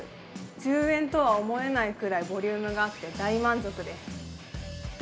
１０円とは思えないくらいボリュームがあって大満足です。